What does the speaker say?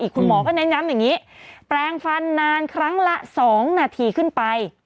คุณหมอก็เน้นย้ำอย่างนี้แปลงฟันนานครั้งละ๒นาทีขึ้นไป